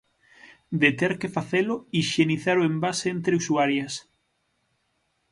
De ter que facelo, hixienizar o envase entre usuarias.